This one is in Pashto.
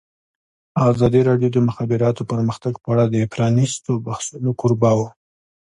ازادي راډیو د د مخابراتو پرمختګ په اړه د پرانیستو بحثونو کوربه وه.